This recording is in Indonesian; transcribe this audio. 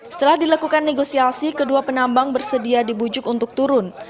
setelah dilakukan negosiasi kedua penambang bersedia dibujuk untuk turun